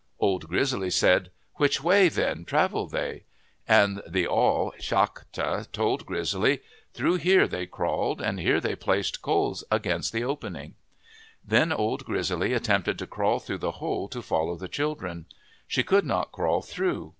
Old Grizzly said, " Which way, then, travelled they ?" And the awl Shakta told Grizzly: "Through 137 MYTHS AND LEGENDS here they crawled ; and here they placed coals against the opening." Then Old Grizzly attempted to crawl through the hole, to follow the children. She could not crawl through.